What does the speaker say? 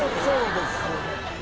そうです